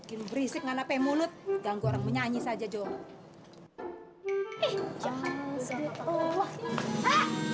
bikin berisik gak nape mulut ganggu orang menyanyi saja jom